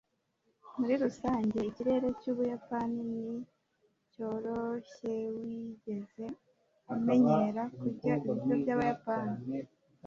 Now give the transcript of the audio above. muri rusange, ikirere cy'ubuyapani ni cyoroshyewigeze umenyera kurya ibiryo byabayapani